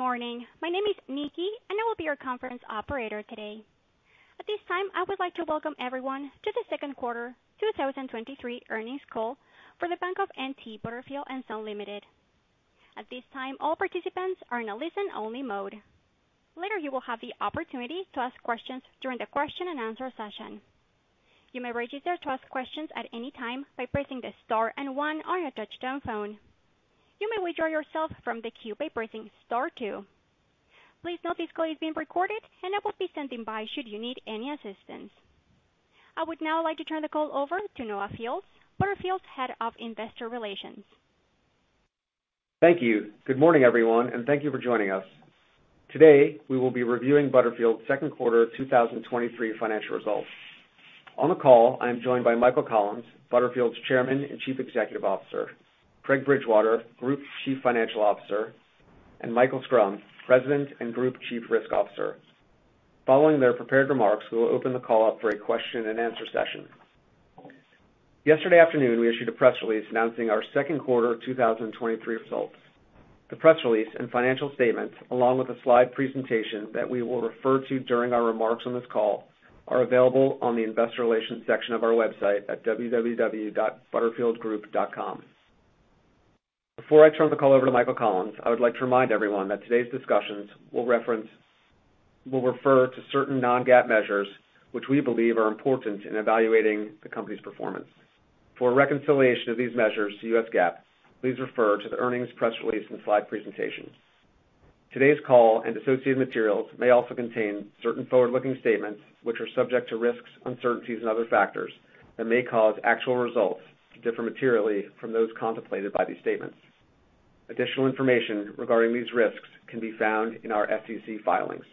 Good morning. My name is Nikki, and I will be your conference operator today. At this time, I would like to welcome everyone to the Q2 2023 earnings call for The Bank of N.T. Butterfield & Son Limited. At this time, all participants are in a listen-only mode. Later, you will have the opportunity to ask questions during the question-and-answer session. You may register to ask questions at any time by pressing the star and one on your touchtone phone. You may withdraw yourself from the queue by pressing star two. Please note this call is being recorded, and I will be standing by should you need any assistance. I would now like to turn the call over to Noah Fields, Butterfield's Head of Investor Relations. Thank you. Good morning, everyone, and thank you for joining us. Today, we will be reviewing Butterfield's Q2 2023 financial results. On the call, I am joined by Michael Collins, Butterfield's Chairman and Chief Executive Officer; Craig Bridgewater, Group Chief Financial Officer; and Michael Schrum, President and Group Chief Risk Officer. Following their prepared remarks, we will open the call up for a question-and-answer session. Yesterday afternoon, we issued a press release announcing our Q2 2023 results. The press release and financial statements, along with a slide presentation that we will refer to during our remarks on this call, are available on the investor relations section of our website at www.butterfieldgroup.com. Before I turn the call over to Michael Collins, I would like to remind everyone that today's discussions will refer to certain non-GAAP measures, which we believe are important in evaluating the company's performance. For a reconciliation of these measures to US GAAP, please refer to the earnings press release and slide presentation. Today's call and associated materials may also contain certain forward-looking statements, which are subject to risks, uncertainties and other factors that may cause actual results to differ materially from those contemplated by these statements. Additional information regarding these risks can be found in our SEC filings.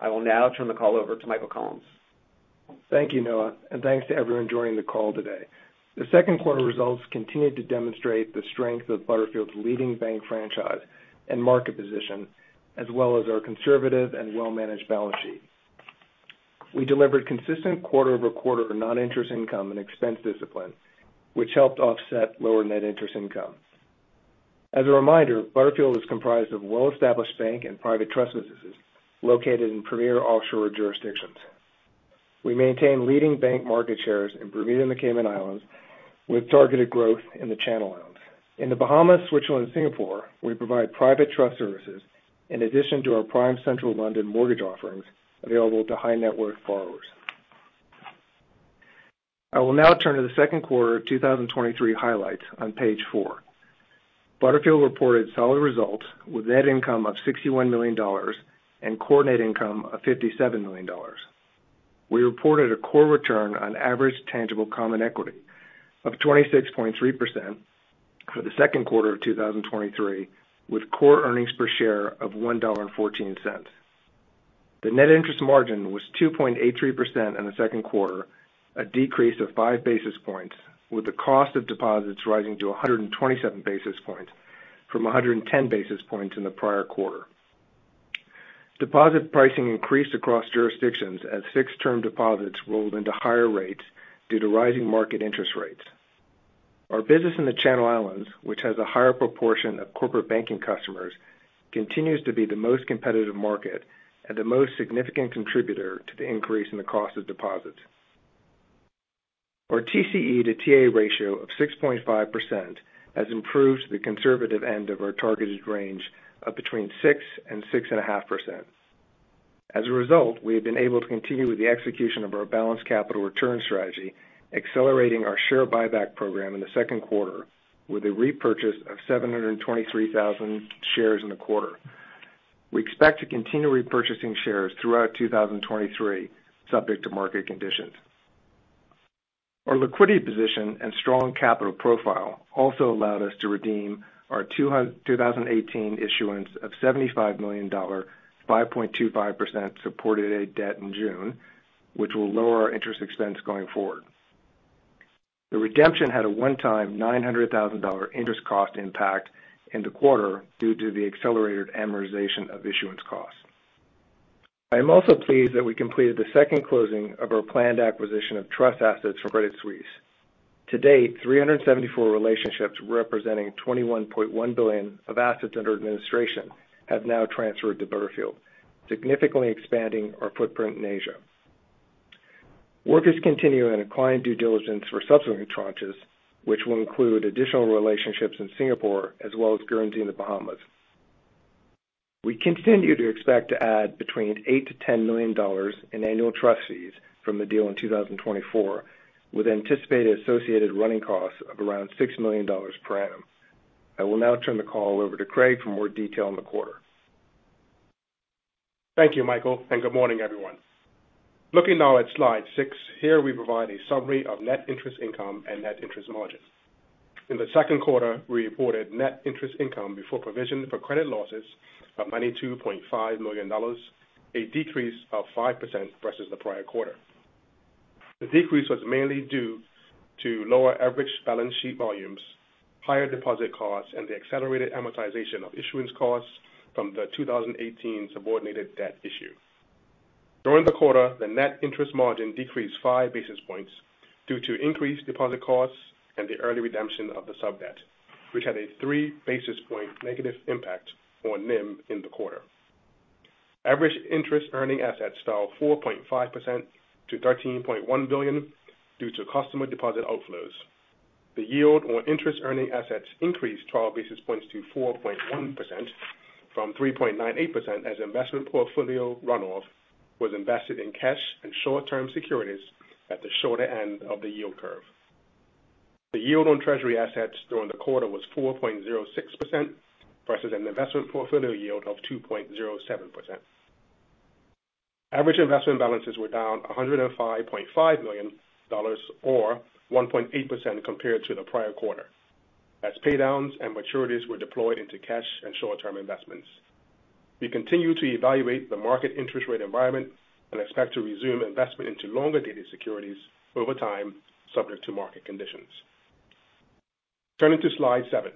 I will now turn the call over to Michael Collins. Thank you, Noah. Thanks to everyone joining the call today. The Q2 results continued to demonstrate the strength of Butterfield's leading bank franchise and market position, as well as our conservative and well-managed balance sheet. We delivered consistent quarter-over-quarter non-interest income and expense discipline, which helped offset lower net interest income. As a reminder, Butterfield is comprised of well-established bank and private trust businesses located in premier offshore jurisdictions. We maintain leading bank market shares in Bermuda and the Cayman Islands, with targeted growth in the Channel Islands. In the Bahamas, Switzerland, and Singapore, we provide private trust services in addition to our prime central London mortgage offerings available to high-net-worth borrowers. I will now turn to the Q2 of 2023 highlights on page 4. Butterfield reported solid results with net income of $61 million and core net income of $57 million. We reported a core return on average tangible common equity of 26.3% for the Q2 of 2023, with core earnings per share of $1.14. The net interest margin was 2.83% in the Q2, a decrease of 5 basis points, with the cost of deposits rising to 127 basis points from 110 basis points in the prior quarter. Deposit pricing increased across jurisdictions as fixed-term deposits rolled into higher rates due to rising market interest rates. Our business in the Channel Islands, which has a higher proportion of corporate banking customers, continues to be the most competitive market and the most significant contributor to the increase in the cost of deposits. Our TCE to TA ratio of 6.5% has improved to the conservative end of our targeted range of between 6% and 6.5%. As a result, we have been able to continue with the execution of our balanced capital return strategy, accelerating our share buyback program in the Q2 with a repurchase of 723,000 shares in the quarter. We expect to continue repurchasing shares throughout 2023, subject to market conditions. Our liquidity position and strong capital profile also allowed us to redeem our 2018 issuance of $75 million, 5.25% subordinated debt in June, which will lower our interest expense going forward. The redemption had a one-time $900,000 interest cost impact in the quarter due to the accelerated amortization of issuance costs. I am also pleased that we completed the second closing of our planned acquisition of trust assets from Credit Suisse. To date, 374 relationships, representing $21.1 billion of assets under administration, have now transferred to Butterfield, significantly expanding our footprint in Asia. Work is continuing in a client due diligence for subsequent tranches, which will include additional relationships in Singapore, as well as guarantee in the Bahamas. We continue to expect to add between $8 million-$10 million in annual trust fees from the deal in 2024, with anticipated associated running costs of around $6 million per annum. I will now turn the call over to Craig for more detail on the quarter. Thank you, Michael. Good morning, everyone. Looking now at slide 6, here we provide a summary of net interest income and net interest margin. In the Q2, we reported net interest income before provision for credit losses of $92.5 million, a decrease of 5% versus the prior quarter. The decrease was mainly due to lower average balance sheet volumes, higher deposit costs, and the accelerated amortization of issuance costs from the 2018 subordinated debt issue. During the quarter, the net interest margin decreased 5 basis points due to increased deposit costs and the early redemption of the sub-debt, which had a 3 basis point negative impact on NIM in the quarter. Average interest earning assets fell 4.5% to $13.1 billion due to customer deposit outflows. The yield on interest-earning assets increased 12 basis points to 4.1% from 3.98%, as investment portfolio runoff was invested in cash and short-term securities at the shorter end of the yield curve. The yield on treasury assets during the quarter was 4.06% versus an investment portfolio yield of 2.07%. Average investment balances were down $105.5 million, or 1.8% compared to the prior quarter, as paydowns and maturities were deployed into cash and short-term investments. We continue to evaluate the market interest rate environment and expect to resume investment into longer-dated securities over time, subject to market conditions. Turning to slide 7.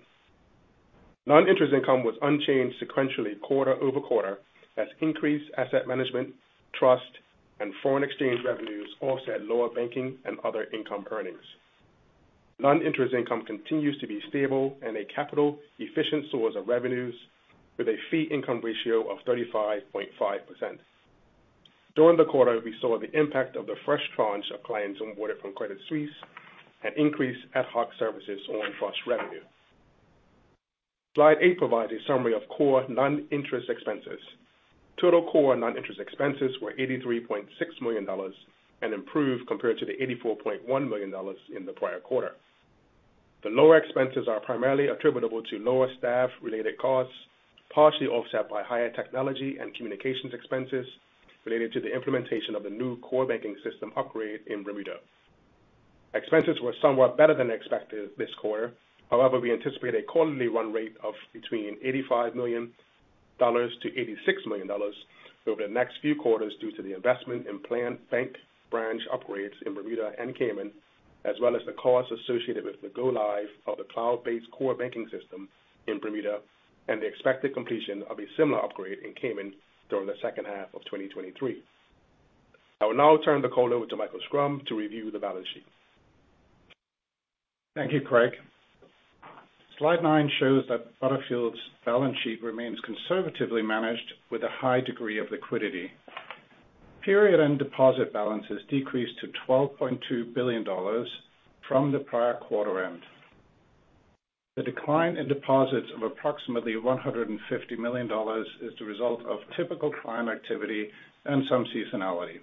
Non-interest income was unchanged sequentially quarter-over-quarter, as increased asset management, trust, and foreign exchange revenues offset lower banking and other income earnings. Non-interest income continues to be stable and a capital efficient source of revenues, with a fee income ratio of 35.5%. During the quarter, we saw the impact of the fresh tranche of clients onboarded from Credit Suisse and increased ad hoc services on trust revenue. Slide 8 provides a summary of core non-interest expenses. Total core non-interest expenses were $83.6 million and improved compared to the $84.1 million in the prior quarter. The lower expenses are primarily attributable to lower staff-related costs, partially offset by higher technology and communications expenses related to the implementation of the new core banking system upgrade in Bermuda. Expenses were somewhat better than expected this quarter. However, we anticipate a quarterly run rate of between $85 million-$86 million over the next few quarters, due to the investment in planned bank branch upgrades in Bermuda and Cayman, as well as the costs associated with the go-live of the cloud-based core banking system in Bermuda, and the expected completion of a similar upgrade in Cayman during the second half of 2023. I will now turn the call over to Michael Schrum to review the balance sheet. Thank you, Craig. Slide 9 shows that Butterfield's balance sheet remains conservatively managed with a high degree of liquidity. Period-end deposit balances decreased to $12.2 billion from the prior quarter end. The decline in deposits of approximately $150 million is the result of typical client activity and some seasonality.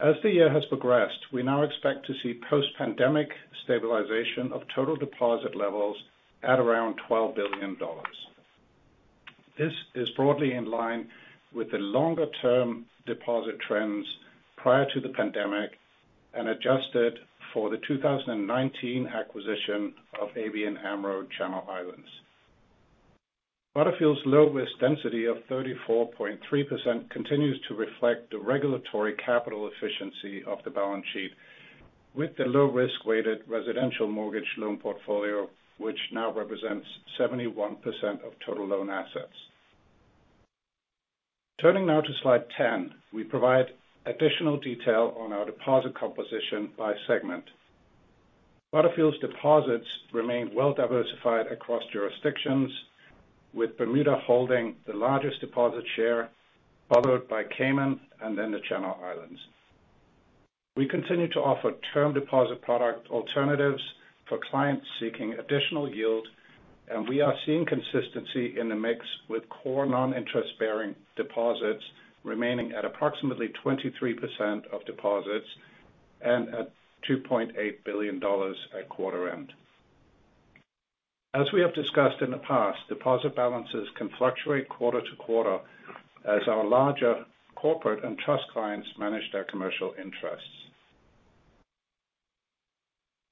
As the year has progressed, we now expect to see post-pandemic stabilization of total deposit levels at around $12 billion. This is broadly in line with the longer-term deposit trends prior to the pandemic and adjusted for the 2019 acquisition of ABN AMRO, Channel Islands. Butterfield's low risk density of 34.3% continues to reflect the regulatory capital efficiency of the balance sheet, with the low risk-weighted residential mortgage loan portfolio, which now represents 71% of total loan assets. Turning now to slide 10, we provide additional detail on our deposit composition by segment. Butterfield's deposits remain well diversified across jurisdictions, with Bermuda holding the largest deposit share, followed by Cayman and then the Channel Islands. We continue to offer term deposit product alternatives for clients seeking additional yield, and we are seeing consistency in the mix, with core non-interest-bearing deposits remaining at approximately 23% of deposits and at $2.8 billion at quarter end. As we have discussed in the past, deposit balances can fluctuate quarter to quarter as our larger corporate and trust clients manage their commercial interests.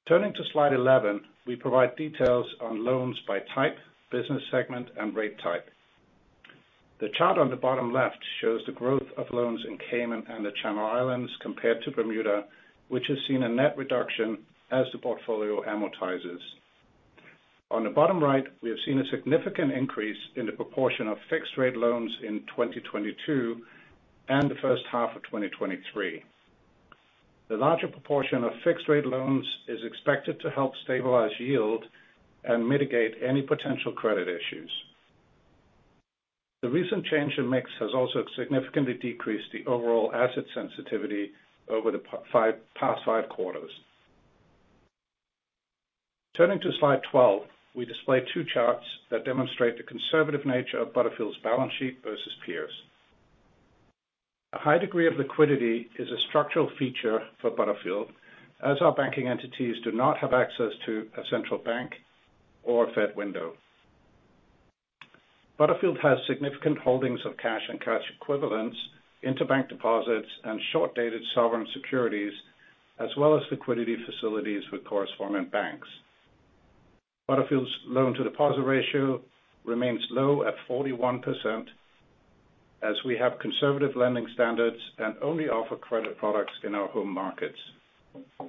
Turning to slide 11, we provide details on loans by type, business segment, and rate type. The chart on the bottom left shows the growth of loans in Cayman and the Channel Islands compared to Bermuda, which has seen a net reduction as the portfolio amortizes. On the bottom right, we have seen a significant increase in the proportion of fixed rate loans in 2022 and the first half of 2023. The larger proportion of fixed rate loans is expected to help stabilize yield and mitigate any potential credit issues. The recent change in mix has also significantly decreased the overall asset sensitivity over the past 5 quarters. Turning to slide 12, we display two charts that demonstrate the conservative nature of Butterfield's balance sheet versus peers. A high degree of liquidity is a structural feature for Butterfield, as our banking entities do not have access to a central bank or a Fed window. Butterfield has significant holdings of cash and cash equivalents, interbank deposits, and short-dated sovereign securities, as well as liquidity facilities with correspondent banks. Butterfield's loan-to-deposit ratio remains low at 41%, as we have conservative lending standards and only offer credit products in our home markets....On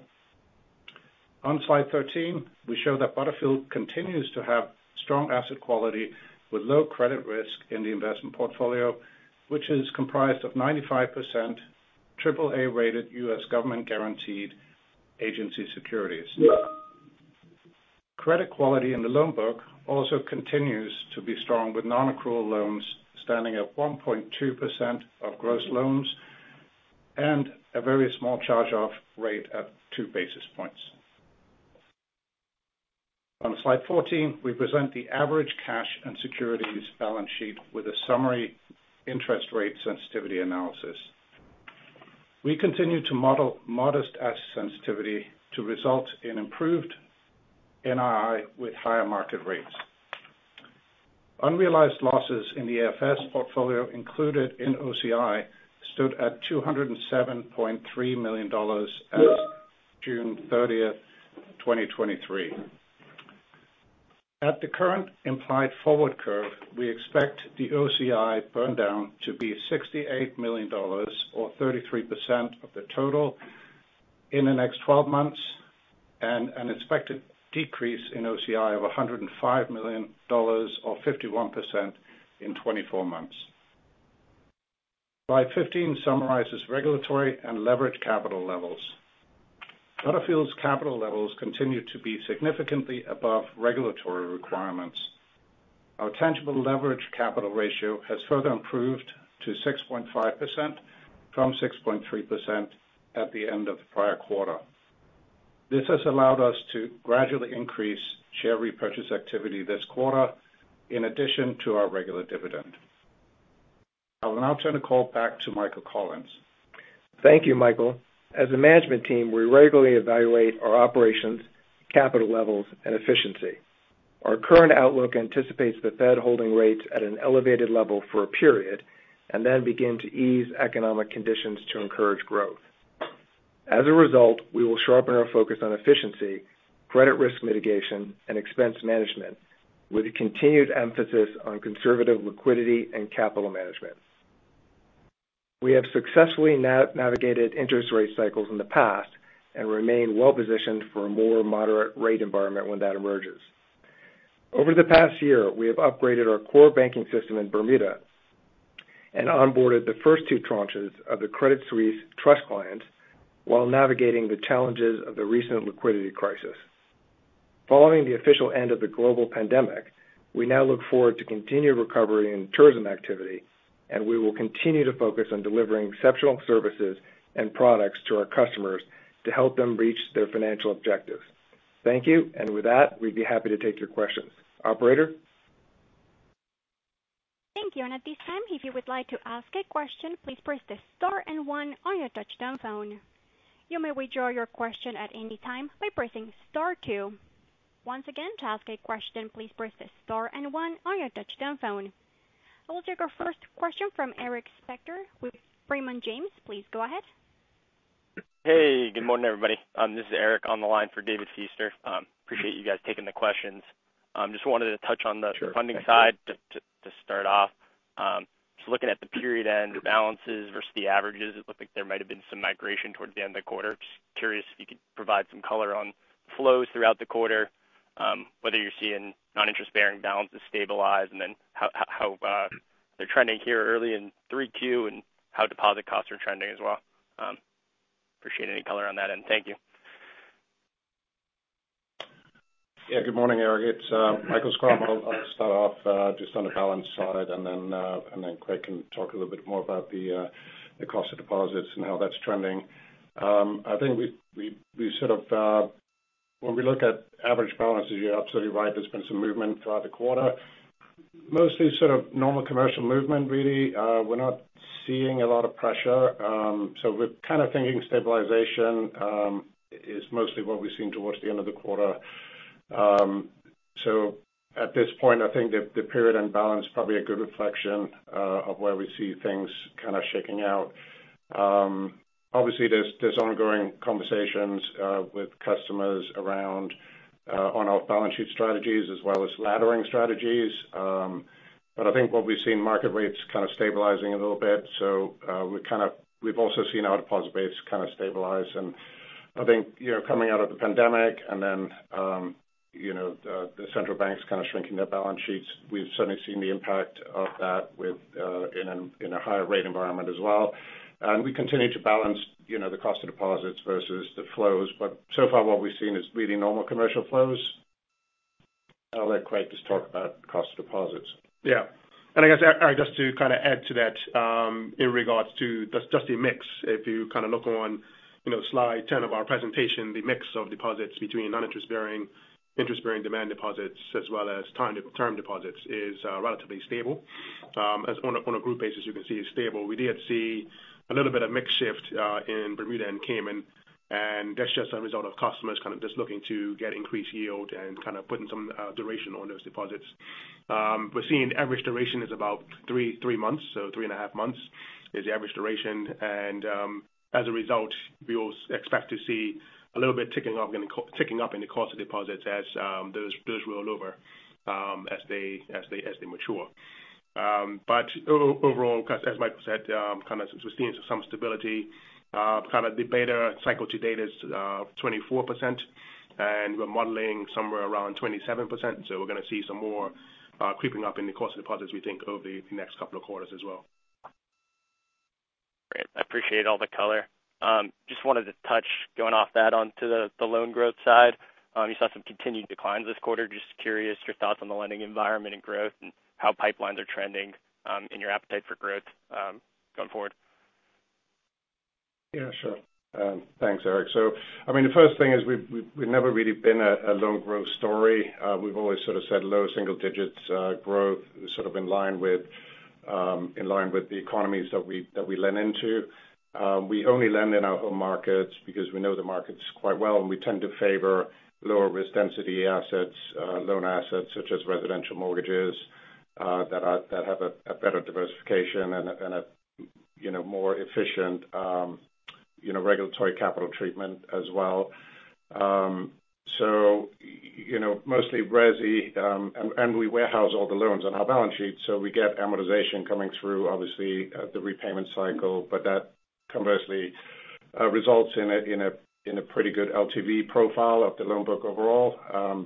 slide 13, we show that Butterfield continues to have strong asset quality with low credit risk in the investment portfolio, which is comprised of 95% AAA-rated US government guaranteed agency securities. Credit quality in the loan book also continues to be strong, with nonaccrual loans standing at 1.2% of gross loans and a very small charge-off rate at 2 basis points. On slide 14, we present the average cash and securities balance sheet with a summary interest rate sensitivity analysis. We continue to model modest asset sensitivity to result in improved NII with higher market rates. Unrealized losses in the AFS portfolio included in OCI, stood at $207.3 million at June 30, 2023. At the current implied forward curve, we expect the OCI burn down to be $68 million or 33% of the total in the next 12 months, and an expected decrease in OCI of $105 million or 51% in 24 months. Slide 15 summarizes regulatory and leverage capital levels. Butterfield's capital levels continue to be significantly above regulatory requirements. Our tangible leverage capital ratio has further improved to 6.5% from 6.3% at the end of the prior quarter. This has allowed us to gradually increase share repurchase activity this quarter in addition to our regular dividend. I will now turn the call back to Michael Collins. Thank you, Michael. As a management team, we regularly evaluate our operations, capital levels, and efficiency. Our current outlook anticipates the Fed holding rates at an elevated level for a period and then begin to ease economic conditions to encourage growth. As a result, we will sharpen our focus on efficiency, credit risk mitigation, and expense management, with a continued emphasis on conservative liquidity and capital management. We have successfully navigated interest rate cycles in the past and remain well positioned for a more moderate rate environment when that emerges. Over the past year, we have upgraded our core banking system in Bermuda and onboarded the first two tranches of the Credit Suisse trust clients while navigating the challenges of the recent liquidity crisis. Following the official end of the global pandemic, we now look forward to continued recovery in tourism activity. We will continue to focus on delivering exceptional services and products to our customers to help them reach their financial objectives. Thank you. With that, we'd be happy to take your questions. Operator? Thank you. At this time, if you would like to ask a question, please press star 1 on your touchtone phone. You may withdraw your question at any time by pressing star 2. Once again, to ask a question, please press star 1 on your touchtone phone. I will take our first question from Eric Spector with Raymond James. Please go ahead. Hey, good morning, everybody. This is Eric Spector on the line for David Feaster. Appreciate you guys taking the questions. Just wanted to touch on the funding side to start off. Just looking at the period-end balances versus the averages, it looked like there might have been some migration towards the end of the quarter. Just curious if you could provide some color on flows throughout the quarter, whether you're seeing non-interest-bearing balances stabilize, and then how they're trending here early in 3Q and how deposit costs are trending as well. Appreciate any color on that, and thank you. Yeah, good morning, Eric Spector. It's Michael Schrum. I'll, I'll start off just on the balance side, and then Craig Bridgewater can talk a little bit more about the cost of deposits and how that's trending. I think we, we, we sort of, when we look at average balances, you're absolutely right, there's been some movement throughout the quarter. Mostly sort of normal commercial movement, really. We're not seeing a lot of pressure, so we're kind of thinking stabilization is mostly what we've seen towards the end of the quarter. So at this point, I think the, the period-end balance is probably a good reflection of where we see things kind of shaking out. Obviously, there's, there's ongoing conversations with customers around on our balance sheet strategies as well as laddering strategies. I think what we've seen market rates stabilizing a little bit. We've also seen our deposit base stabilize. I think, you know, coming out of the pandemic and then, you know, the central banks shrinking their balance sheets, we've certainly seen the impact of that in a higher rate environment as well. We continue to balance, you know, the cost of deposits versus the flows. So far, what we've seen is really normal commercial flows. I'll let Craig just talk about cost of deposits. Yeah. I guess, Eric, just to kind of add to that, in regards to just, just the mix, if you kind of look on, you know, slide 10 of our presentation, the mix of deposits between non-interest bearing, interest-bearing demand deposits, as well as term deposits is relatively stable. As on a, on a group basis, you can see it's stable. We did see a little bit of mix shift in Bermuda and Cayman, and that's just a result of customers kind of just looking to get increased yield and kind of putting some duration on those deposits. We're seeing average duration is about three, three months, so three and a half months is the average duration. As a result, we will expect to see a little bit ticking up in the ticking up in the cost of deposits as those, those roll over as they, as they, as they mature. Overall, as Michael said, kind of we're seeing some stability. Kind of the beta cycle to date is 24%, and we're modeling somewhere around 27%. We're gonna see some more creeping up in the course of deposits, we think, over the next couple of quarters as well. Great. I appreciate all the color. Just wanted to touch, going off that, onto the loan growth side. You saw some continued declines this quarter. Just curious, your thoughts on the lending environment and growth, and how pipelines are trending, and your appetite for growth, going forward? Yeah, sure. Thanks, Eric Spector. I mean, the first thing is we've, we've, we've never really been a loan growth story. We've always sort of said low single digits growth, sort of in line with the economies that we, that we lend into. We only lend in our home markets because we know the markets quite well, and we tend to favor lower risk density assets, loan assets, such as residential mortgages, that have a better diversification and a, and a, you know, more efficient, you know, regulatory capital treatment as well. You know, mostly resi, and, and we warehouse all the loans on our balance sheet, so we get amortization coming through, obviously, at the repayment cycle. That conversely, results in a pretty good LTV profile of the loan book overall,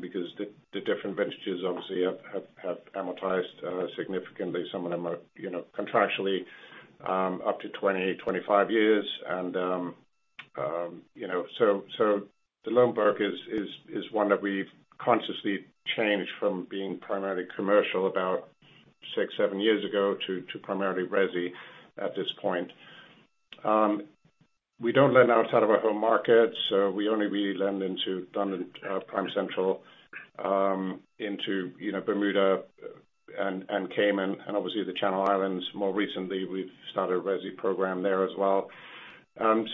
because the different vintages obviously have amortized significantly. Some of them are, you know, contractually, up to 20-25 years. You know, so the loan book is one that we've consciously changed from being primarily commercial about 6-7 years ago to primarily resi at this point. We don't lend outside of our home markets, so we only really lend into London, Prime Central, into, you know, Bermuda and Cayman, and obviously, the Channel Islands. More recently, we've started a resi program there as well.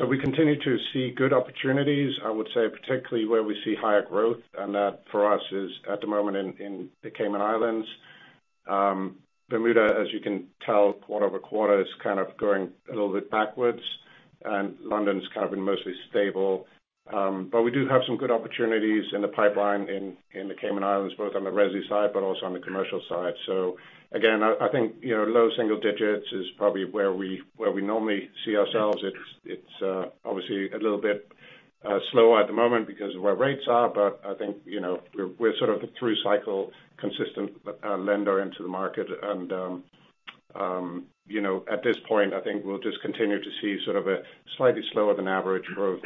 We continue to see good opportunities, I would say, particularly where we see higher growth, and that, for us, is at the moment in the Cayman Islands. Bermuda, as you can tell, quarter-over-quarter, is kind of going a little bit backwards, and London's kind of been mostly stable. We do have some good opportunities in the pipeline in the Cayman Islands, both on the resi side, but also on the commercial side. Again, I, I think, you know, low single digits is probably where we, where we normally see ourselves. It's, it's obviously a little bit slower at the moment because of where rates are, but I think, you know, we're, we're sort of a through cycle, consistent lender into the market. You know, at this point, I think we'll just continue to see sort of a slightly slower than average growth.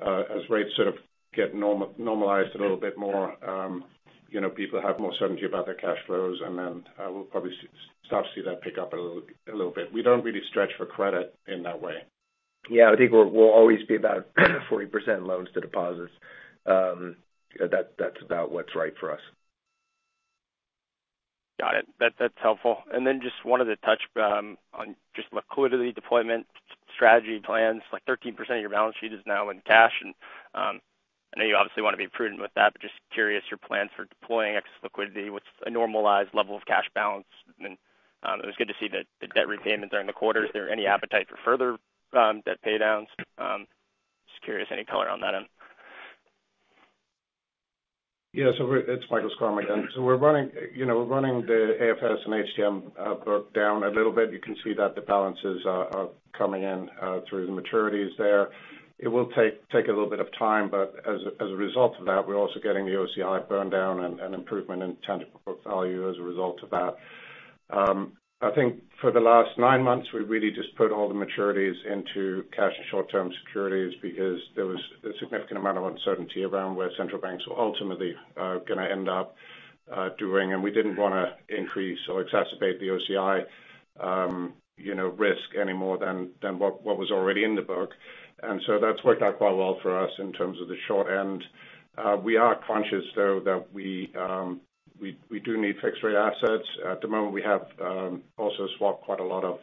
As rates sort of get normalized a little bit more, you know, people have more certainty about their cash flows, and then, we'll probably start to see that pick up a little, a little bit. We don't really stretch for credit in that way. Yeah, I think we'll, we'll always be about 40% loans to deposits. That, that's about what's right for us. Got it. That, that's helpful. Just wanted to touch on just liquidity deployment strategy plans. Like, 13% of your balance sheet is now in cash, and I know you obviously want to be prudent with that, but just curious, your plans for deploying excess liquidity, what's a normalized level of cash balance? It was good to see that the debt repayments are in the quarter. Is there any appetite for further debt paydowns? Just curious, any color on that end? It's Michael Collins again. We're running, you know, we're running the AFS and HTM book down a little bit. You can see that the balances are, are coming in through the maturities there. It will take, take a little bit of time, but as, as a result of that, we're also getting the OCI burn down and, and improvement in tangible book value as a result of that. I think for the last nine months, we've really just put all the maturities into cash and short-term securities because there was a significant amount of uncertainty around where central banks were ultimately, gonna end up, doing. We didn't wanna increase or exacerbate the OCI, you know, risk any more than, than what, what was already in the book. That's worked out quite well for us in terms of the short end. We are conscious, though, that we, we do need fixed rate assets. At the moment, we have also swapped quite a lot of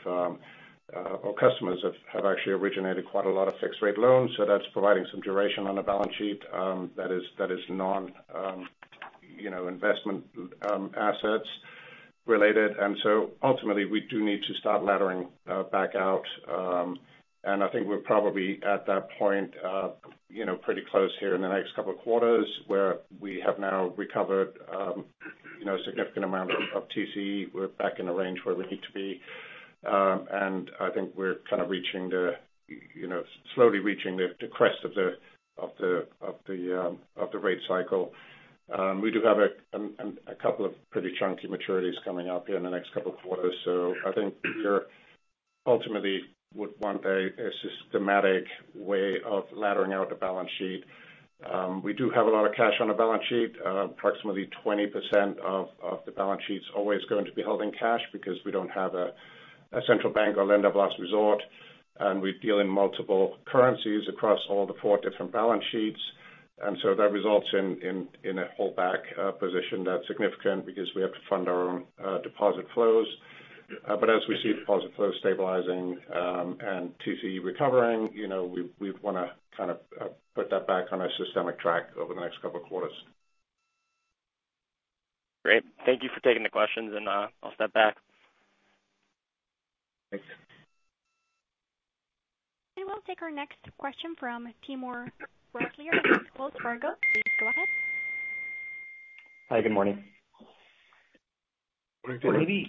our customers have actually originated quite a lot of fixed rate loans, so that's providing some duration on the balance sheet that is, that is non, you know, investment assets related. Ultimately, we do need to start laddering back out, and I think we're probably at that point, you know, pretty close here in the next 2 quarters, where we have now recovered, you know, a significant amount of TCE. We're back in the range where we need to be. I think we're kind of reaching the, you know, slowly reaching the crest of the, of the, of the rate cycle. We do have a couple of pretty chunky maturities coming up in the next couple of quarters, so I think we ultimately would want a systematic way of laddering out the balance sheet. We do have a lot of cash on the balance sheet. Approximately 20% of the balance sheet's always going to be held in cash, because we don't have a central bank or lender of last resort, and we deal in multiple currencies across all the 4 different balance sheets. That results in a holdback position that's significant because we have to fund our own deposit flows. As we see deposit flows stabilizing, and TCE recovering, you know, we, we wanna kind of put that back on a systemic track over the next couple of quarters. Great. Thank you for taking the questions, and I'll step back. Thanks. We'll take our next question from Timur Rakhmatov at Wells Fargo. Please go ahead. Hi, good morning. Maybe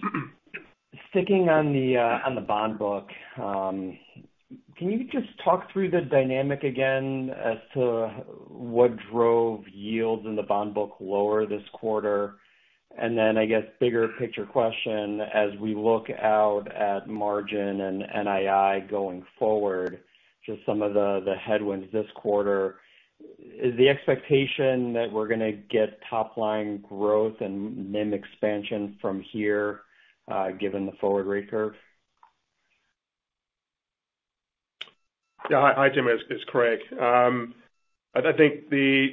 sticking on the bond book, can you just talk through the dynamic again as to what drove yields in the bond book lower this quarter? I guess, bigger picture question, as we look out at margin and NII going forward, just some of the, the headwinds this quarter, is the expectation that we're gonna get top line growth and NIM expansion from here, given the forward rate curve? Yeah. Hi, Timur, it's, it's Craig. I think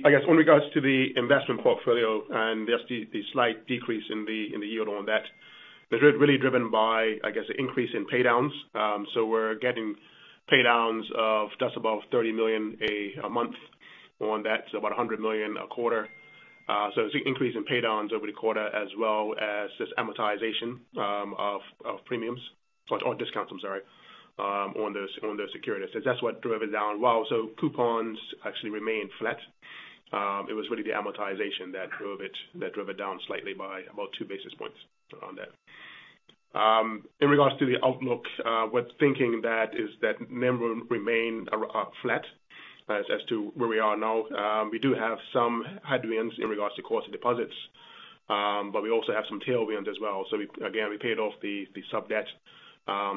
I guess, in regards to the investment portfolio and just the, the slight decrease in the, in the yield on that, it's really driven by, I guess, an increase in pay downs. We're getting pay downs of just above $30 million a month on that, so about $100 million a quarter. It's an increase in pay downs over the quarter, as well as just amortization of premiums or discounts, I'm sorry, on those, on those securities. That's what drove it down. While, coupons actually remained flat, it was really the amortization that drove it, that drove it down slightly by about 2 basis points on that. In regards to the outlook, we're thinking that is that NIM will remain flat as to where we are now. We do have some headwinds in regards to cost of deposits, but we also have some tailwinds as well. Again, we paid off the, the subdebt,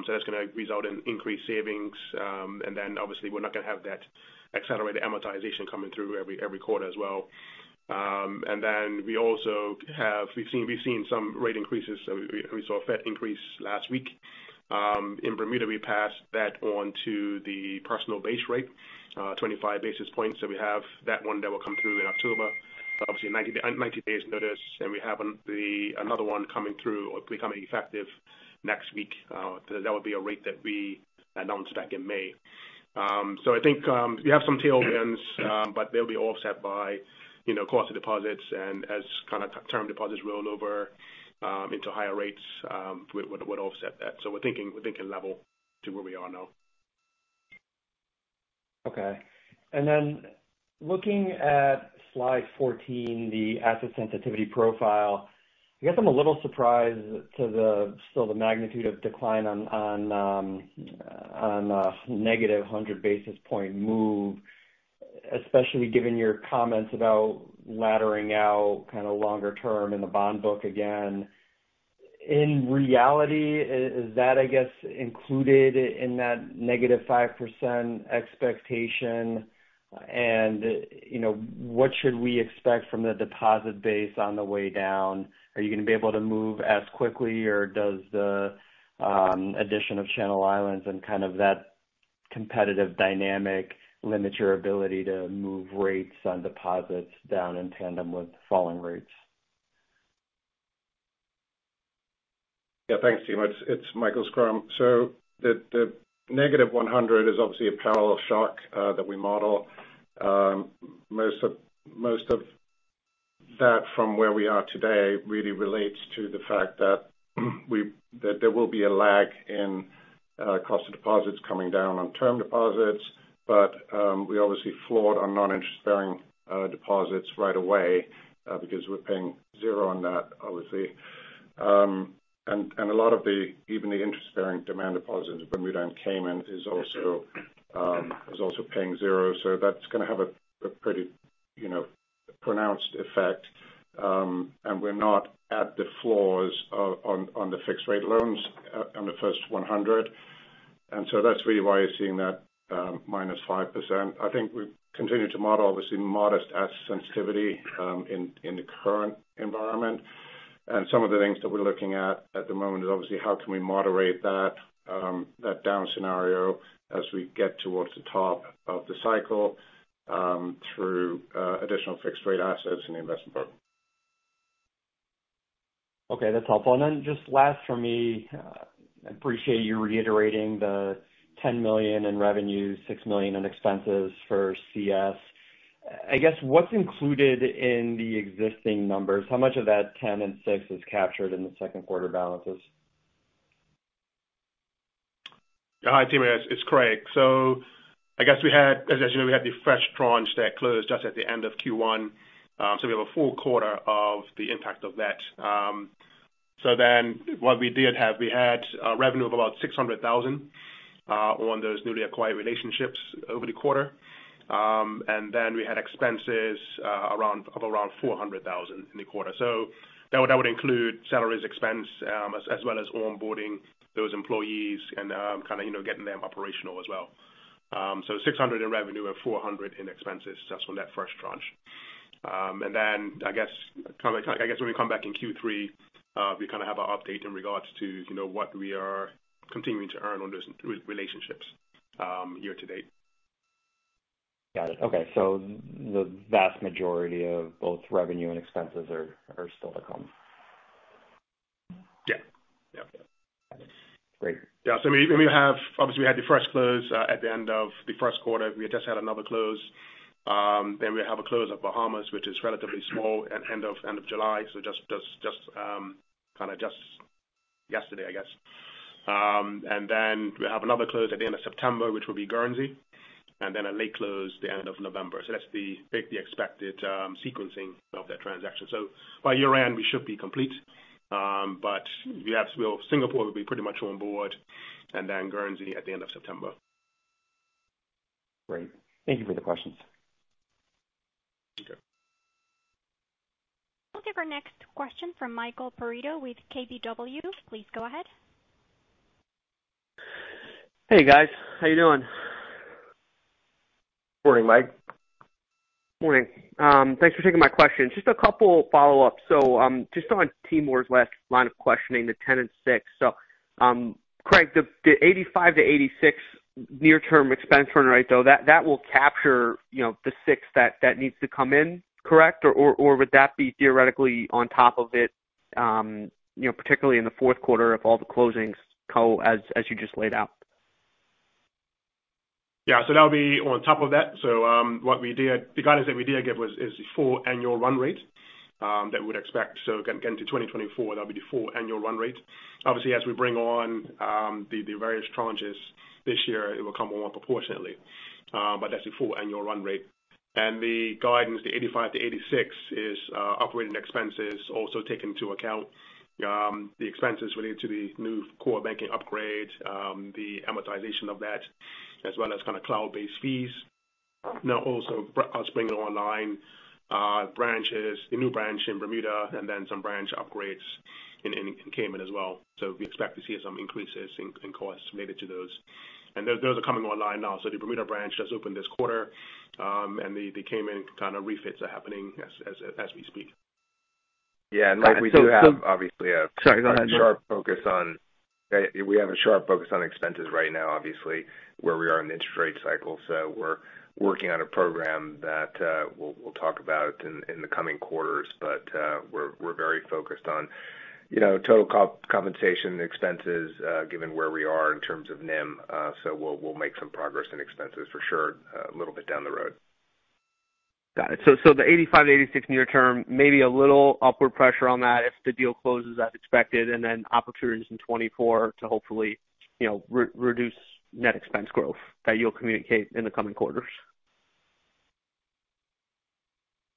so that's gonna result in increased savings. Obviously, we're not gonna have that accelerated amortization coming through every, every quarter as well. We also have-- we've seen, we've seen some rate increases, so we, we saw a Fed increase last week. In Bermuda, we passed that on to the personal base rate, 25 basis points, so we have that one that will come through in October. Obviously, 90, 90 days notice, and we have another one coming through or becoming effective next week. That would be a rate that we announced back in May. I think, we have some tailwinds, but they'll be offset by, you know, cost of deposits and as kind of term deposits roll over, into higher rates, we would, would offset that. We're thinking, we're thinking level to where we are now. Okay. Then looking at slide 14, the asset sensitivity profile, I guess I'm a little surprised to the still the magnitude of decline on, on a negative 100 basis point move, especially given your comments about laddering out kind of longer term in the bond book again. In reality, is that, I guess, included in that negative 5% expectation? You know, what should we expect from the deposit base on the way down? Are you gonna be able to move as quickly, or does the addition of Channel Islands and kind of that competitive dynamic limit your ability to move rates on deposits down in tandem with falling rates? Yeah. Thanks, Timur. It's Michael Schrum. The negative 100 is obviously a parallel shock that we model. Most of that from where we are today really relates to the fact that there will be a lag in cost of deposits coming down on term deposits, but we obviously floored our non-interest bearing deposits right away because we're paying zero on that, obviously. And a lot of the, even the interest bearing demand deposits in Bermuda and Cayman is also paying zero. That's gonna have a pretty, you know, pronounced effect. And we're not at the floors of, on the fixed rate loans on the first 100. That's really why you're seeing that minus 5%. I think we've continued to model, obviously, modest asset sensitivity, in the current environment. Some of the things that we're looking at, at the moment is obviously how can we moderate that, that down scenario as we get towards the top of the cycle, through additional fixed rate assets in the investment part. Okay, that's helpful. Just last for me, I appreciate you reiterating the $10 million in revenue, $6 million in expenses for CS. I guess, what's included in the existing numbers? How much of that 10 and 6 is captured in the Q2 balances? Hi, Timur. It's Craig. I guess we had, as I said, we had the fresh tranche that closed just at the end of Q1. We have a full quarter of the impact of that. Then what we did have, we had a revenue of about $600,000 on those newly acquired relationships over the quarter. Then we had expenses around $400,000 in the quarter. That would include salaries, expense, as well as onboarding those employees and, kind of, you know, getting them operational as well. $600 in revenue and $400 in expenses, just from that first tranche. Then I guess, kind of, I guess when we come back in Q3, we kind of have our update in regards to, you know, what we are continuing to earn on those relationships, year to date. Got it. Okay. The vast majority of both revenue and expenses are, are still to come? Yeah. Yep. Great. Yeah. We, we have-- obviously, we had the first close at the end of the Q1. We just had another close. Then we have a close of Bahamas, which is relatively small at end of, end of July. Just, just, just, kind of just yesterday, I guess. Then we have another close at the end of September, which will be Guernsey, and then a late close the end of November. That's the, the expected sequencing of that transaction. By year-end, we should be complete, but yes, we'll-- Singapore will be pretty much on board and then Guernsey at the end of September. Great. Thank you for the questions. Okay. We'll take our next question from Michael Perito with KBW. Please go ahead. Hey, guys. How are you doing? Morning, Michael. Morning. Thanks for taking my questions. Just a couple follow-ups. Just on Timur's last line of questioning, the 10 and 6. Craig, the, the 85 to 86 near-term expense run rate, though, that, that will capture, you know, the 6 that, that needs to come in, correct? Or, or, or would that be theoretically on top of it, you know, particularly in the Q4, if all the closings go as, as you just laid out? Yeah. That'll be on top of that. What we did-- the guidance that we did give was, is the full annual run rate that we'd expect. Get, get into 2024, that'll be the full annual run rate. Obviously, as we bring on, the, the various tranches this year, it will come on proportionately, but that's the full annual run rate. The guidance, the 85-86 is operating expenses, also taking into account the expenses related to the new core banking upgrade, the amortization of that, as well as kind of cloud-based fees. Also, bringing online branches, the new branch in Bermuda, and then some branch upgrades in Cayman as well. We expect to see some increases in costs related to those. Those, those are coming online now. The Bermuda branch just opened this quarter, and the Cayman kind of refits are happening as we speak. Yeah, Michael, we do have obviously... Sorry. Sharp focus on, we have a sharp focus on expenses right now, obviously, where we are in the interest rate cycle. We're working on a program that, we'll, we'll talk about in, in the coming quarters, but, we're, we're very focused on, you know, total compensation expenses, given where we are in terms of NIM. We'll, we'll make some progress in expenses for sure, a little bit down the road. Got it. so the 85 to 86 near term, maybe a little upward pressure on that if the deal closes as expected, then opportunities in 2024 to hopefully, you know, reduce net expense growth that you'll communicate in the coming quarters?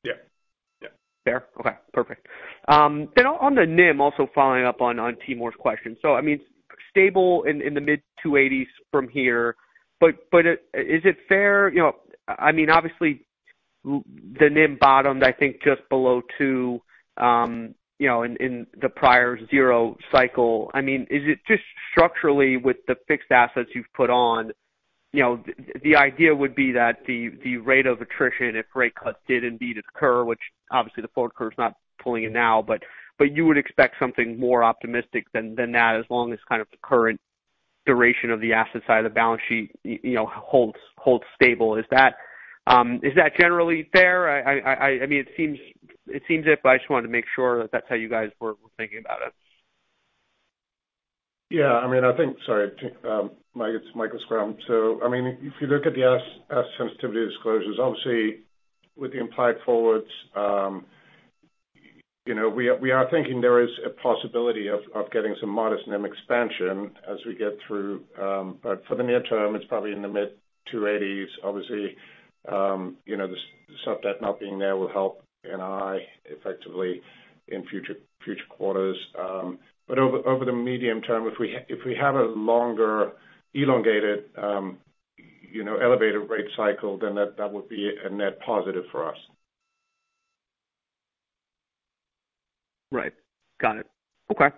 Yeah. Yeah. Fair? Okay, perfect. On the NIM, also following up on Timor's question. I mean, stable in the mid 280s from here, but is it fair, you know, I mean, obviously the NIM bottomed, I think, just below 2, you know, in the prior zero cycle. I mean, is it just structurally with the fixed assets you've put on, you know, the idea would be that the rate of attrition, if rate cuts did indeed occur, which obviously the forward curve is not pulling it now, but you would expect something more optimistic than that, as long as kind of the current duration of the asset side of the balance sheet, you know, holds stable. Is that generally fair? I mean, it seems it, but I just wanted to make sure that that's how you guys were thinking about it. Yeah, I mean, Sorry, Michael it's Michael Schrum. I mean, if you look at the as sensitivity disclosures, obviously with the implied forwards, you know, we are, we are thinking there is a possibility of, of getting some modest NIM expansion as we get through, but for the near term, it's probably in the mid 2.80s. Obviously, you know, the sub-debt not being there will help NI effectively in future, future quarters. But over, over the medium term, if we, if we have a longer elongated, you know, elevated rate cycle, then that, that would be a net positive for us. Right. Got it. Okay,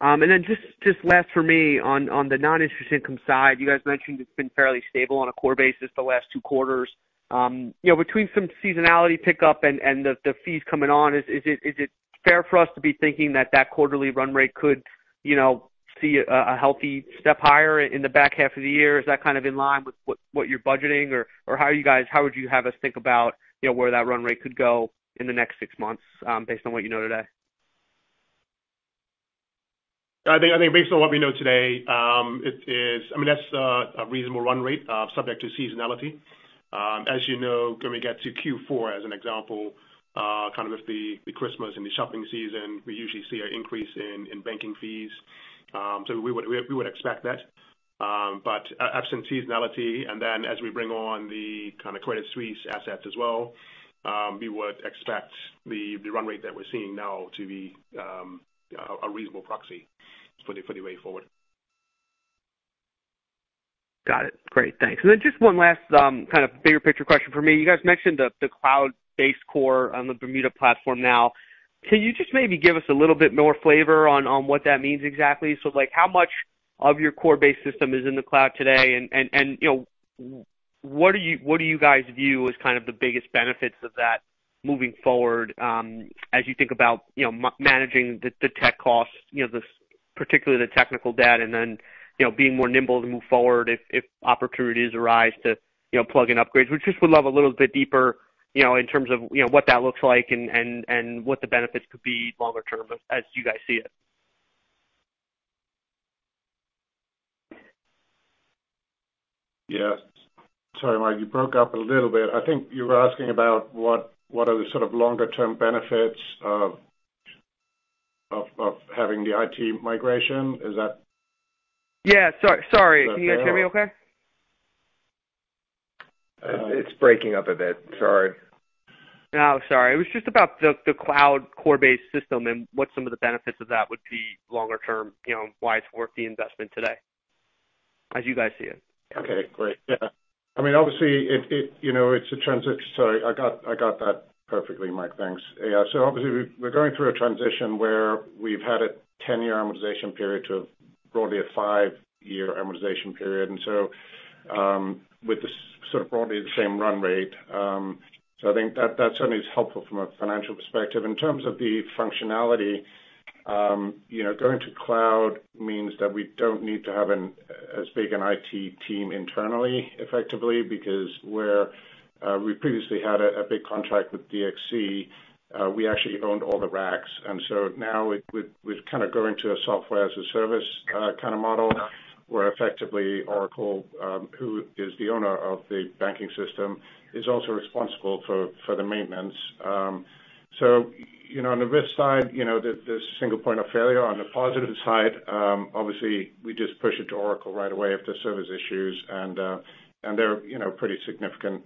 and then just, just last for me on, on the non-interest income side, you guys mentioned it's been fairly stable on a core basis the last two quarters. You know, between some seasonality pickup and the fees coming on, is, is it, is it fair for us to be thinking that that quarterly run rate could, you know, see a, a healthy step higher in the back half of the year? Is that kind of in line with what, what you're budgeting or How would you have us think about, you know, where that run rate could go in the next six months, based on what you know today? I think, I think based on what we know today, it is. I mean, that's a, a reasonable run rate, subject to seasonality. As you know, when we get to Q4, as an example, kind of with the, the Christmas and the shopping season, we usually see an increase in, in banking fees. We would, we, we would expect that. Absent seasonality, and then as we bring on the kind of Credit Suisse assets as well, we would expect the, the run rate that we're seeing now to be a reasonable proxy for the, for the way forward. Got it. Great, thanks. Then just one last, kind of bigger picture question for me. You guys mentioned the, the cloud-based core on the Bermuda platform now. Can you just maybe give us a little bit more flavor on, on what that means exactly? Like, how much of your core base system is in the cloud today? You know, what do you, what do you guys view as kind of the biggest benefits of that moving forward, as you think about, you know, managing the, the tech costs, you know, the, particularly the technical debt, and then, you know, being more nimble to move forward if, if opportunities arise to, you know, plug in upgrades? We just would love a little bit deeper, you know, in terms of, you know, what that looks like and, and, and what the benefits could be longer term as, as you guys see it. Yes. Sorry, Michael, you broke up a little bit. I think you were asking about what, what are the sort of longer term benefits of, of, of having the IT migration? Is that- Sorry. Can you hear me okay? It's breaking up a bit. Sorry. No, sorry. It was just about the cloud core-based system and what some of the benefits of that would be longer term, you know, why it's worth the investment today, as you guys see it. Okay, great. Yeah. I mean, obviously, it, it, you know, it's a transition. Sorry, I got, I got that perfectly, Mike. Thanks. Yeah, obviously, we're, we're going through a transition where we've had a 10-year amortization period to broadly a 5-year amortization period, with the sort of broadly the same run rate. I think that, that certainly is helpful from a financial perspective. In terms of the functionality, you know, going to cloud means that we don't need to have an as big an IT team internally, effectively, because where, we previously had a, a big contract with DXC, we actually owned all the racks. So now we're, we're kind of going to a software as a service kind of model, where effectively Oracle, who is the owner of the banking system, is also responsible for, for the maintenance. So, you know, on the risk side, you know, the, the single point of failure on the positive side, obviously, we just push it to Oracle right away if there's service issues, and they're, you know, a pretty significant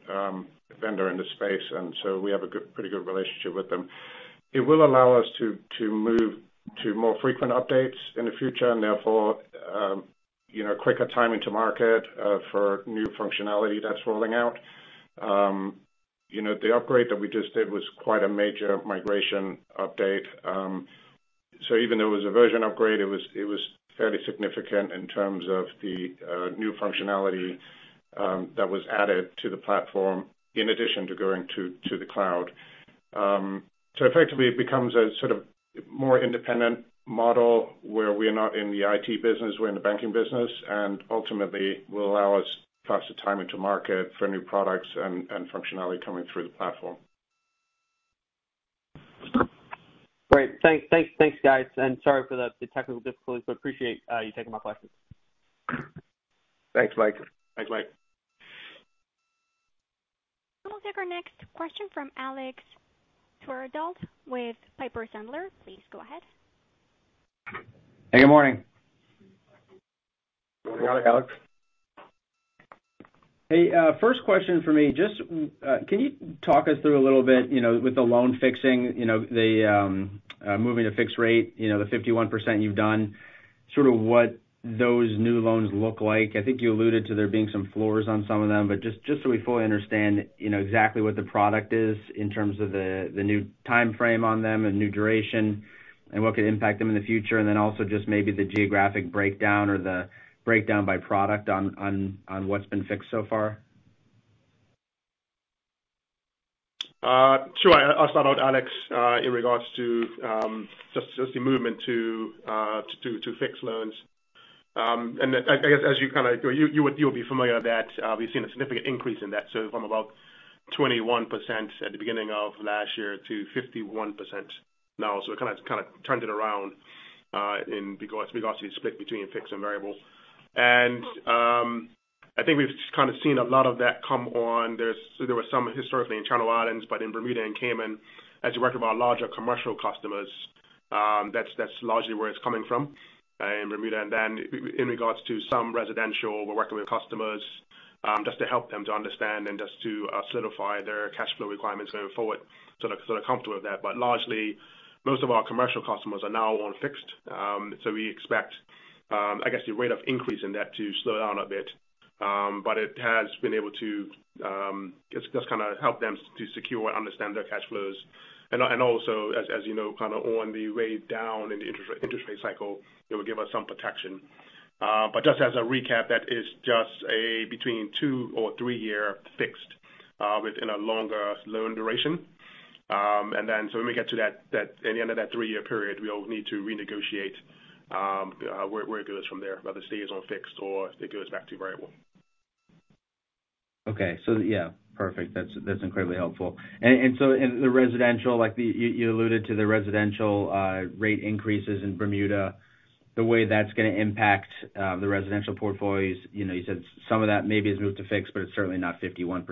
vendor in the space, and so we have a good pretty good relationship with them. It will allow us to, to move to more frequent updates in the future, and therefore, you know, quicker timing to market for new functionality that's rolling out. You know, the upgrade that we just did was quite a major migration update. So even though it was a version upgrade, it was, it was fairly significant in terms of the new functionality that was added to the platform in addition to going to the cloud. So effectively, it becomes a sort of more independent model, where we are not in the IT business, we're in the banking business, and ultimately, will allow us faster timing to market for new products and functionality coming through the platform. Great. Thanks. Thanks. Thanks, guys, and sorry for the, the technical difficulties, but appreciate you taking my questions. Thanks, Mike. Thanks, Mike. We'll take our next question from Alexander Twerdahl with Piper Sandler. Please go ahead. Hey, good morning. Good morning, Alexander. Hey, first question for me, just, can you talk us through a little bit, you know, with the loan fixing, you know, the, moving to fixed rate, you know, the 51% you've done, sort of what those new loans look like? I think you alluded to there being some floors on some of them, but just, just so we fully understand, you know, exactly what the product is in terms of the, the new timeframe on them and new duration, and what could impact them in the future, and then also just maybe the geographic breakdown or the breakdown by product on, on, on what's been fixed so far. Sure. I, I'll start out, Alex, in regards to, just the movement to fix loans. I, I guess as you kind of-- you, you would, you'll be familiar that, we've seen a significant increase in that. From about 21% at the beginning of last year to 51% now, so it kind of, kind of turned it around, in regards to the split between fixed and variable. I think we've kind of seen a lot of that come on. There's-- so there was some historically in Turtle Islands, but in Bermuda and Cayman, as you work with our larger commercial customers, that's, that's largely where it's coming from, in Bermuda. In regards to some residential, we're working with customers just to help them to understand and just to solidify their cash flow requirements going forward, so they're comfortable with that. Largely, most of our commercial customers are now on fixed. We expect, I guess, the rate of increase in that to slow down a bit. It has been able to help them to secure and understand their cash flows. Also, as you know, on the way down in the interest rate cycle, it will give us some protection. Just as a recap, that is just a between 2 or 3-year fixed within a longer loan duration. When we get to that, that, in the end of that 3-year period, we'll need to renegotiate, where, where it goes from there, whether it stays on fixed or it goes back to variable. Okay. Yeah, perfect. That's, that's incredibly helpful. In the residential, like the, you, you alluded to the residential, rate increases in Bermuda, the way that's gonna impact, the residential portfolios, you know, you said some of that maybe is moved to fixed. It's certainly not 51%,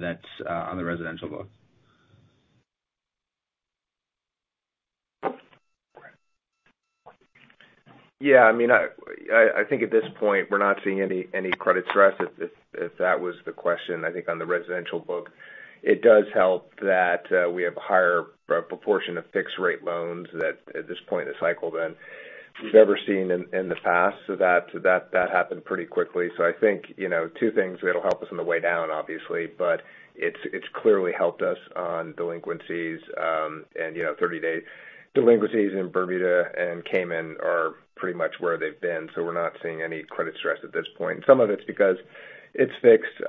that's, on the residential book. Yeah, I mean, I, I, I think at this point, we're not seeing any, any credit stress, if, if, if that was the question, I think on the residential book. It does help that we have a higher proportion of fixed rate loans that at this point in the cycle than we've ever seen in, in the past. That, so that, that happened pretty quickly. I think, you know, two things, it'll help us on the way down, obviously, but it's, it's clearly helped us on delinquencies, and, you know, 30-day delinquencies in Bermuda and Cayman are pretty much where they've been, so we're not seeing any credit stress at this point. Some of it's because it's fixed,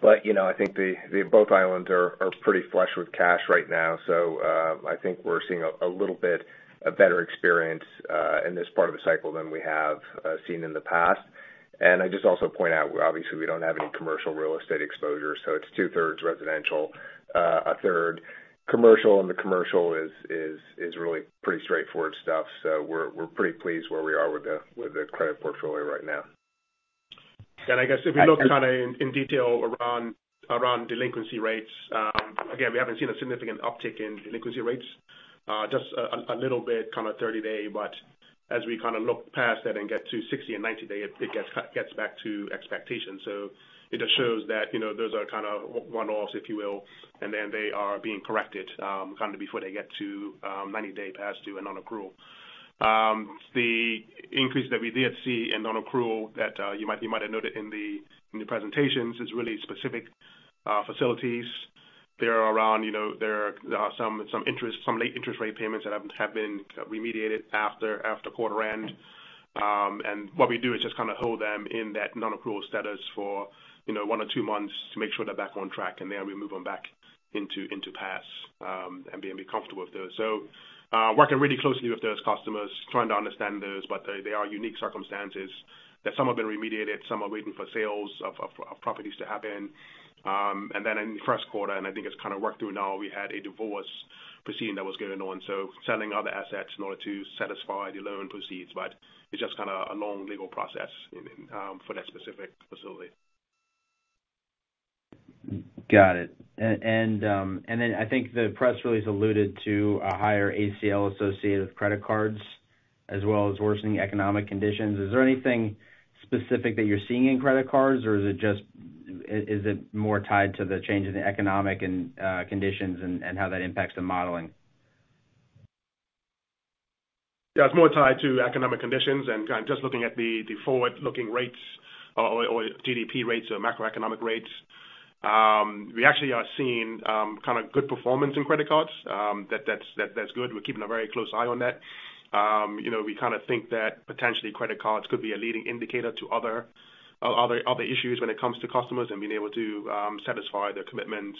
but you know, I think the, the both islands are, are pretty flush with cash right now. I think we're seeing a, a little bit a better experience, in this part of the cycle than we have, seen in the past. I just also point out, obviously, we don't have any commercial real estate exposure, so it's 2/3 residential, 1/3-... commercial, and the commercial is, is, is really pretty straightforward stuff. We're, we're pretty pleased where we are with the, with the credit portfolio right now. I guess if you look kind of in, in detail around, around delinquency rates, again, we haven't seen a significant uptick in delinquency rates. Just a, a little bit kind of 30 day, but as we kind of look past that and get to 60 and 90 day, it, it gets back, gets back to expectations. It just shows that, you know, those are kind of one-offs, if you will, and then they are being corrected, kind of before they get to 90-day past due and on approval. The increase that we did see in non-accrual that, you might, you might have noted in the, in the presentations, is really specific facilities. They are around, you know, there are some, some interest, some late interest rate payments that have, have been remediated after, after quarter end. What we do is just kind of hold them in that non-accrual status for, you know, 1 or 2 months to make sure they're back on track, and then we move them back into, into pass, and being comfortable with those. Working really closely with those customers, trying to understand those, but they, they are unique circumstances, that some have been remediated, some are waiting for sales of, of, of properties to happen. Then in the Q1, and I think it's kind of worked through now, we had a divorce proceeding that was going on, so selling other assets in order to satisfy the loan proceeds. It's just kind of a long legal process in for that specific facility. Got it. And, then I think the press release alluded to a higher ACL associated with credit cards, as well as worsening economic conditions. Is there anything specific that you're seeing in credit cards, or is it, is it more tied to the change in the economic and, conditions and, and how that impacts the modeling? Yeah, it's more tied to economic conditions, and kind of just looking at the, the forward-looking rates or, or, or GDP rates or macroeconomic rates. We actually are seeing kind of good performance in credit cards, that, that's, that's good. We're keeping a very close eye on that. You know, we kind of think that potentially credit cards could be a leading indicator to other, other, other issues when it comes to customers and being able to satisfy their commitments,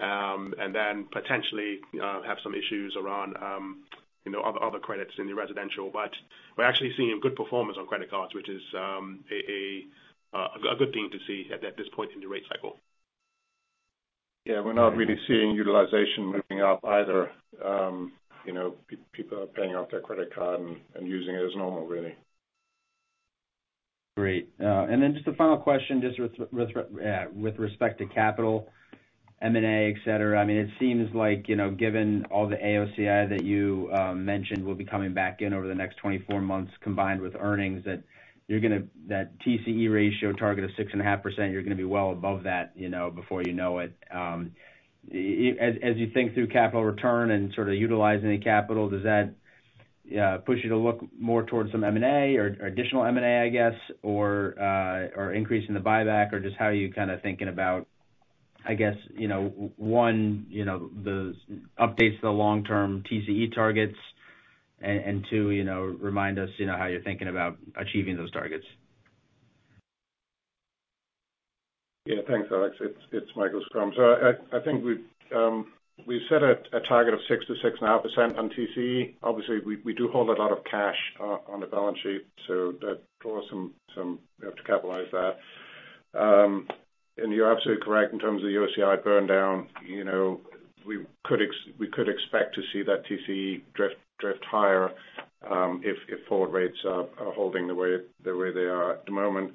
and then potentially have some issues around, you know, other, other credits in the residential. We're actually seeing a good performance on credit cards, which is a, a good thing to see at this point in the rate cycle. Yeah, we're not really seeing utilization moving up either. You know, people are paying off their credit card and, and using it as normal, really. Great. Then just a final question, just with respect to capital, M&A, et cetera. I mean, it seems like, you know, given all the AOCI that you mentioned will be coming back in over the next 24 months, combined with earnings, that TCE ratio target of 6.5%, you're gonna be well above that, you know, before you know it. As you think through capital return and sort of utilizing the capital, does that push you to look more towards some M&A or additional M&A, I guess, or increasing the buyback? Just how are you kind of thinking about, I guess, you know, one, you know, those updates to the long-term TCE targets, and, and two, you know, remind us, you know, how you're thinking about achieving those targets? Yeah, thanks, Alex. It's, it's Michael Schrum. I, I think we've, we've set a, a target of 6%-6.5% on TCE. Obviously, we, we do hold a lot of cash on the balance sheet, so that draws some, some, we have to capitalize that. You're absolutely correct, in terms of the OCI burn down, you know, we could ex- we could expect to see that TCE drift, drift higher, if, if forward rates are, are holding the way, the way they are at the moment.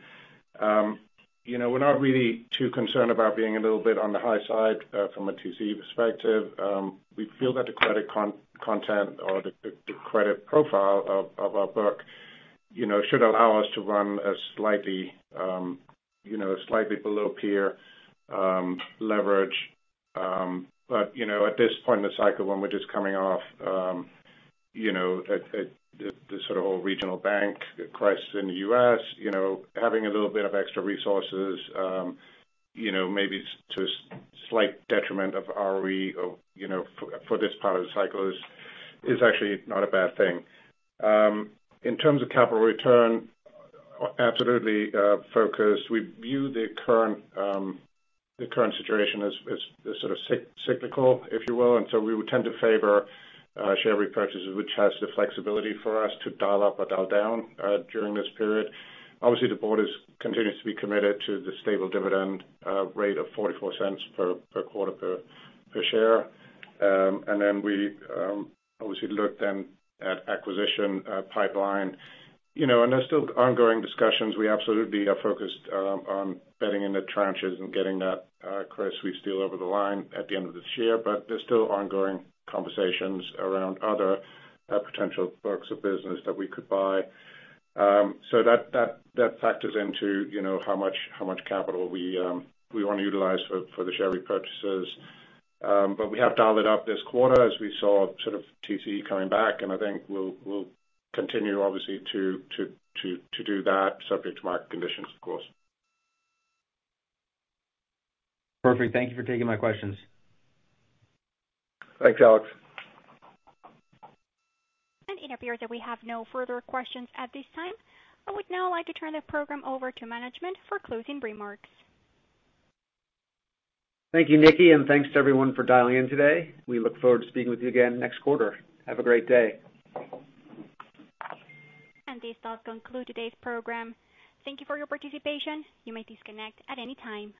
You know, we're not really too concerned about being a little bit on the high side, from a TCE perspective. We feel that the credit con- content or the, the credit profile of, of our book, you know, should allow us to run a slightly, you know, slightly below peer, leverage. At this point in the cycle, when we're just coming off, you know, at, at, the, whole regional bank crisis in the US, you know, having a little bit of extra resources, you know, maybe to a slight detriment of ROE, or, you know, for, for this part of the cycle is, is actually not a bad thing. In terms of capital return, absolutely, focused. We view the current, the current situation as, as, as sort of cyclical, if you will, and so we would tend to favor share repurchases, which has the flexibility for us to dial up or dial down during this period. Obviously, the board is continues to be committed to the stable dividend rate of $0.44 per quarter per share. Then we obviously look then at acquisition pipeline. You know, there's still ongoing discussions. We absolutely are focused on betting in the tranches and getting that Chris, we steal over the line at the end of this year, there's still ongoing conversations around other potential books of business that we could buy. That, that, that factors into, you know, how much, how much capital we want to utilize for the share repurchases. We have dialed it up this quarter as we saw sort of TCE coming back, and I think we'll, we'll continue obviously to, to, to, to do that, subject to market conditions, of course. Perfect. Thank you for taking my questions. Thanks, Alex. It appears that we have no further questions at this time. I would now like to turn the program over to management for closing remarks. Thank you, Nikki. Thanks to everyone for dialing in today. We look forward to speaking with you again next quarter. Have a great day. This does conclude today's program. Thank you for your participation. You may disconnect at any time.